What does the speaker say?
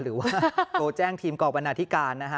หรือว่าโทรแจ้งทีมกรบรรณาธิการนะฮะ